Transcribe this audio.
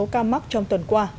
ca mắc trong tuần qua